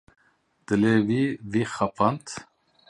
Dilê wî, wî xapand.